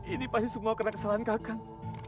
ini pasti semua karena kesalahan kakak